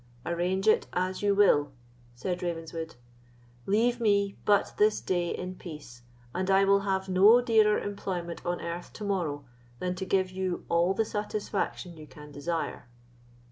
"Arrange it as you will," said Ravenswood; "leave me but this day in peace, and I will have no dearer employment on earth to morrow than to give you all the satisfaction you can desire."